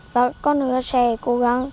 và con nữa xe cô